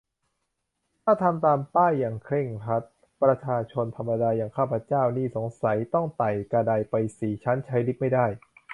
ถ้าทำตามป้ายอย่างเคร่งครัด ประชาชนธรรมดาอย่างข้าพเจ้านี่สงสัยต้องไต่กะไดไปสี่ชั้น ใช้ลิฟต์ไม่ได้